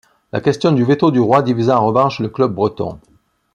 La question du veto du roi divisa en revanche le club breton.